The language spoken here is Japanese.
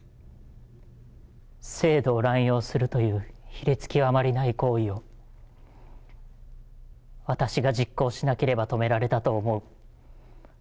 制度を乱用するという卑劣極まりない行為を、私が実行しなければ、止められたと思う。